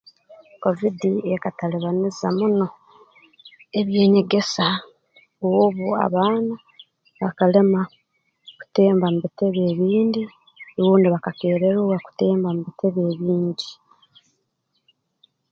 Kovidi ekatalibaniza muno eby'enyegesa obu abaana bakalema kutemba mu bitebe ebindi rundi bakakeerererwa kutemba mu bitebe ebindi